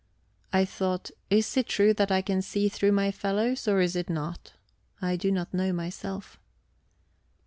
I thought: Is it true that I can see through my fellows, or is it not? I do not know, myself.